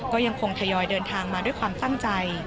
ก็ยังคงทยอยเดินทางมาด้วยความตั้งใจ